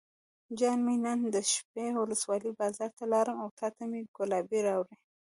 جان مې نن دشټي ولسوالۍ بازار ته لاړم او تاته مې ګلابي راوړې.